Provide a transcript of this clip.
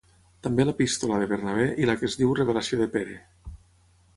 També l'epístola de Bernabé i la que es diu Revelació de Pere.